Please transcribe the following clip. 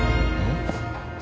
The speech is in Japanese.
ん？